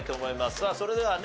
さあそれではね